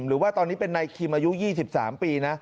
หรือว่าตอนนี้เป็นนายคิมอายุ๒๓ปีนะ